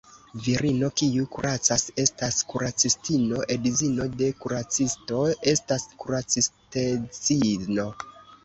Virino, kiu kuracas, estas kuracistino; edzino de kuracisto estas kuracistedzino.